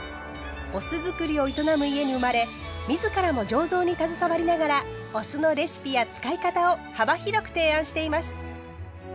お酢造りを営む家に生まれ自らも醸造に携わりながらお酢のレシピや使い方を幅広く提案しています。